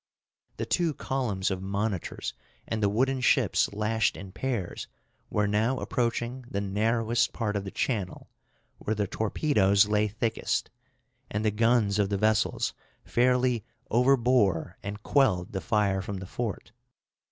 The two columns of monitors and the wooden ships lashed in pairs were now approaching the narrowest part of the channel, where the torpedoes lay thickest; and the guns of the vessels fairly overbore and quelled the fire from the fort.